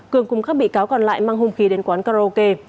cường cùng các bị cáo còn lại mang hung khí đến quán karaoke